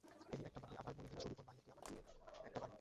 এই একটা বাড়ি, আবার বনে-ঘেরা সুড়িপথ বাহিয়া গিয়া আবার দূরে একটা বাড়ি।